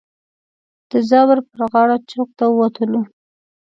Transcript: د زابر پر غاړه چوک ته ووتلو.